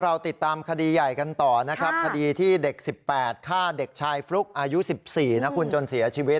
เราติดตามคดีใหญ่กันต่อนะครับคดีที่เด็ก๑๘ฆ่าเด็กชายฟลุ๊กอายุ๑๔นะคุณจนเสียชีวิต